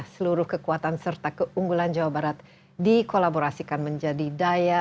seluruh kekuatan serta keunggulan jawa barat dikolaborasikan menjadi daya